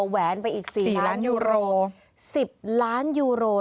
แหวนไปอีก๔ล้านยูโร๑๐ล้านยูโรเลยนะคุณ๔ล้านยูโร